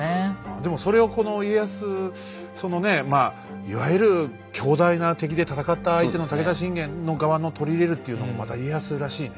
でもそれをこの家康そのねまあいわゆる強大な敵で戦った相手の武田信玄の側の取り入れるっていうのもまた家康らしいね。